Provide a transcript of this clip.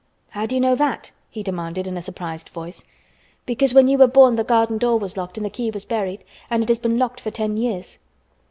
"How do you know that?" he demanded in a surprised voice. "Because when you were born the garden door was locked and the key was buried. And it has been locked for ten years."